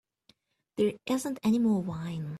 There isn't any more wine.